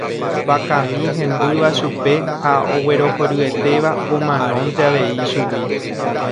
vakami hembýva chupe ha oguerohoryetéva omanónte avei ichugui